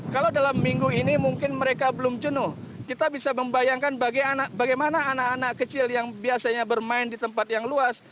kalau mereka belum jenuh kita bisa membayangkan bagaimana anak anak kecil yang biasanya bermain di tempat yang luas